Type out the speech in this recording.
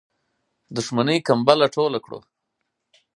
دښمنی کمبله ټوله کړو.